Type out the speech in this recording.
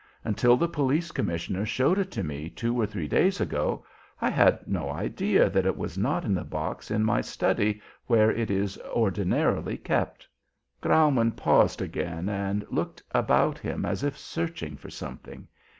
Until the Police Commissioner showed it to me two or three days ago, I had no idea that it was not in the box in my study where it is ordinarily kept." Graumann paused again and looked about him as if searching for something.